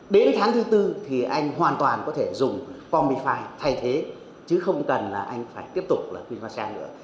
đến tháng thứ bốn thì anh hoàn toàn có thể dùng combi năm thay thế chứ không cần là anh phải tiếp tục là queenvacem nữa